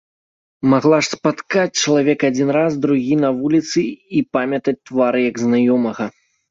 Магла ж спаткаць чалавека адзін раз, другі на вуліцы і памятаць твар, як знаёмага.